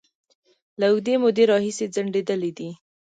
له اوږدې مودې راهیسې ځنډيدلې دي